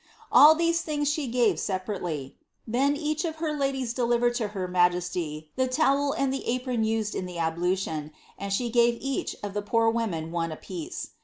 All these things she gave separately. Then each of her ladies delivered to her majesty the towel and the apron used in the ablution, and she gave each of the poor women oos a piece.